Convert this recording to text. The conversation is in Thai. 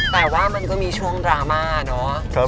แต่ว่ามันก็มีช่วงดราม่าเนาะ